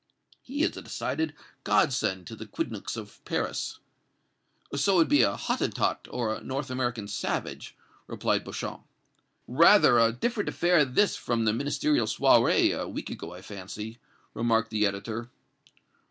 "He is a decided godsend to the quidnuncs of Paris." "So would be a Hottentot, or a North American savage," replied Beauchamp. "Rather a different affair this from the Ministerial soirée a week ago, I fancy," remarked the editor.